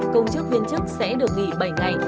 công chức viên chức sẽ được nghỉ bảy ngày